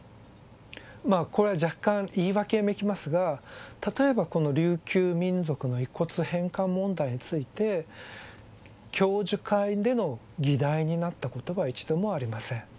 まあこれは若干言い訳めきますが例えばこの琉球民族の遺骨返還問題について教授会での議題になったことは一度もありません